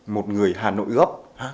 một người hà nội góp